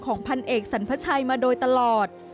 พันเอกสรรพชัยมาโดยตลอด